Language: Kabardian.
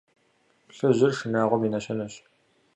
Плъыжьыр – шынагъуэм и нэщэнэщ.